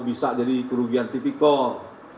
bisa jadi kerugian tipikor